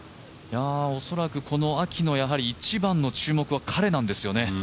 恐らく秋の一番の注目はやはり彼なんですよね。